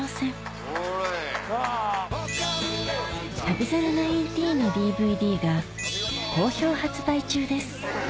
『旅猿１９』のＤＶＤが好評発売中です